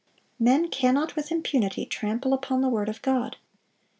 (390) Men cannot with impunity trample upon the word of God.